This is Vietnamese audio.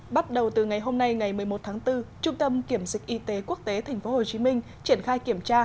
bắt đầu từ ngày hôm nay ngày một mươi một tháng bốn trung tâm kiểm dịch y tế quốc tế tp hcm triển khai kiểm tra